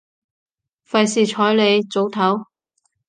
費事睬你，早唞